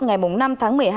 ngày năm tháng một mươi hai